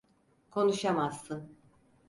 Konuşamazsın.